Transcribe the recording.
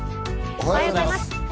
おはようございます。